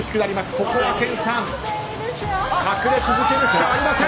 ここは健さん隠れ続けるしかありません。